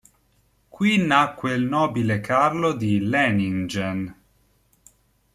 Qui nacque il nobile Carlo di Leiningen.